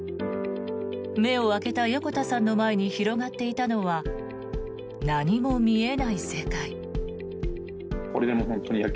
目を開けた横田さんの前に広がっていたのは何も見えない世界。